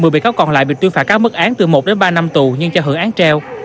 một mươi bị cáo còn lại bị tuyên phạt các mức án từ một đến ba năm tù nhưng cho hưởng án treo